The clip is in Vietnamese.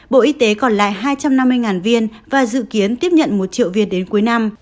bộ y tế còn lại hai trăm năm mươi viên và dự kiến tiếp nhận một triệu viên đến cuối năm